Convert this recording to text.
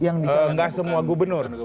nggak semua gubernur